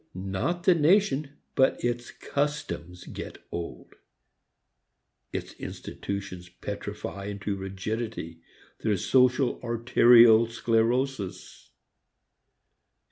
Not the nation but its customs get old. Its institutions petrify into rigidity; there is social arterial sclerosis.